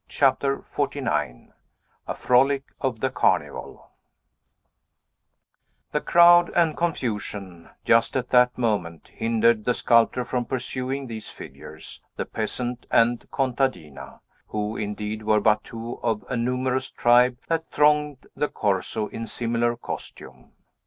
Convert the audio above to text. CHAPTER XLIX A FROLIC OF THE CARNIVAL The crowd and confusion, just at that moment, hindered the sculptor from pursuing these figures, the peasant and contadina, who, indeed, were but two of a numerous tribe that thronged the Corso, in similar costume.